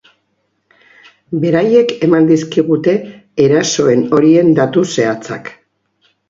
Beraiek eman dizkigute erasoen horien datu zehatzak.